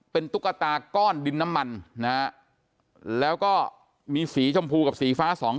เป็นตุ๊กตาก้อนดินน้ำมันนะฮะแล้วก็มีสีชมพูกับสีฟ้าสอง